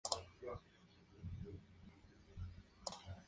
Ya en el siglo se mencionan los alfares de García Celada y Sanjuan-Peñín.